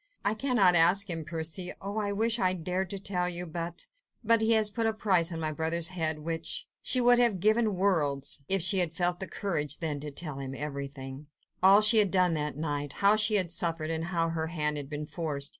"I cannot ask him, Percy. ... Oh! I wish I dared to tell you ... but ... but ... he has put a price on my brother's head, which ..." She would have given worlds if she had felt the courage then to tell him everything ... all she had done that night—how she had suffered and how her hand had been forced.